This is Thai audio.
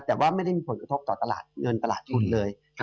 แต่ว่าไม่ได้มีผลกระทบต่อตลาดเงินตลาดทุนเลย